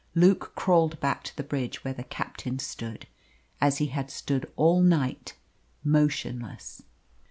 Luke crawled back to the bridge where the captain stood, as he had stood all night, motionless.